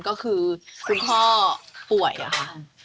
ก็คือคุณพ่อป่วยอะค่ะ